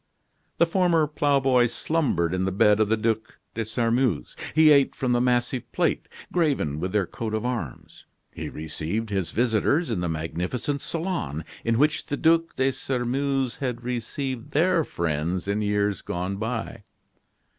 The former ploughboy slumbered in the bed of the Ducs de Sairmeuse; he ate from the massive plate, graven with their coat of arms; he received his visitors in the magnificent salon in which the Ducs de Sairmeuse had received their friends in years gone by.